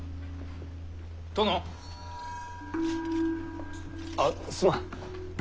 殿？あすまん。